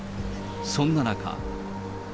そんな中。